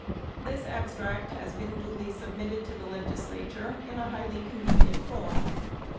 This abstract has been duly submitted to the Legislature, in a highly convenient form.